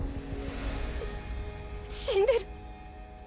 し死んでる。